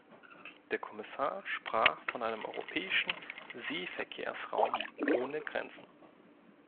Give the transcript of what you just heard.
Der Kommissar sprach von einem europäischen Seeverkehrsraum ohne Grenzen.